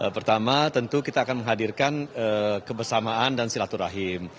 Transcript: pertama tentu kita akan menghadirkan kebersamaan dan silaturahim